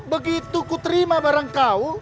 begitu ku terima barang kau